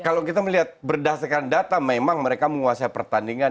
kalau kita melihat berdasarkan data memang mereka menguasai pertandingan